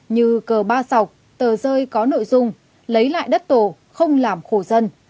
như cờ ba sọc tờ rơi có nội dung lấy lại đất tổ không làm khổ dân